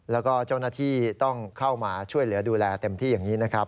แล้วก็เจ้าหน้าที่ต้องเข้ามาช่วยเหลือดูแลเต็มที่อย่างนี้นะครับ